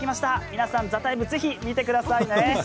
皆さん、「ＴＨＥＴＩＭＥ，」ぜひ見てくださいね。